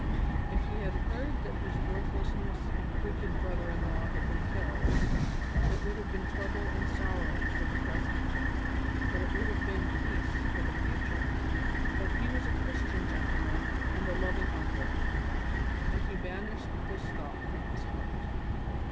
If he had heard that his worthless and wicked brother in law had been killed, it would have been trouble and sorrow for the present, but it would have been peace for the future. But he was a Christian gentleman and a loving uncle, and he banished this thought from his heart.